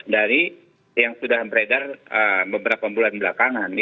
dari yang sudah beredar beberapa bulan belakangan